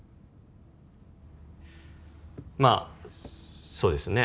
まあそうですね